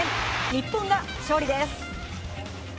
日本が勝利です。